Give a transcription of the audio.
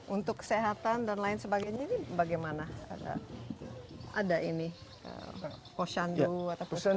untuk kesehatan dan lain sebagainya bagaimana ada ini posyandu atau pesan